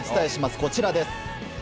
こちらです。